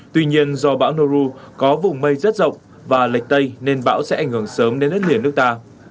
tuy nhiên do bão noru có vùng mây rất rộng và lệch tây nên bão sẽ ảnh hưởng sớm đến đất liền nước ta